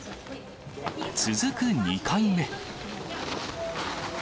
続く２回目。